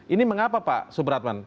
ini mengapa pak supratman